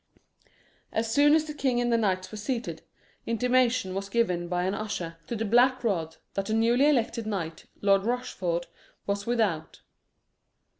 As soon as the king and the knights were seated, intimation was given by an usher to the black rod that the newly elected knight, Lord Rochford, was without.